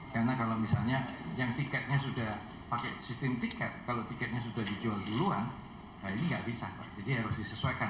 karena kalau misalnya yang tiketnya sudah pakai sistem tiket kalau tiketnya sudah dijual duluan